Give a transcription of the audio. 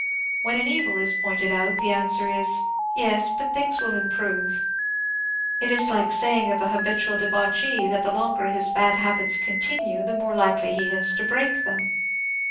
When an evil is pointed out the answer is, ^^ Yes, but things will im prove." It is like saying of a habitual debauchee that the longer his bad habits continue the more likely he is to break them.